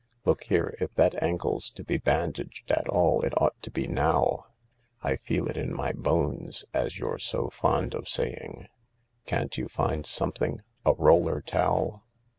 Look here, if that ankle's to be bandaged at all it ought to be now. I feel it in my bones, as you're so fond of saying. Can't you find something — a roller towel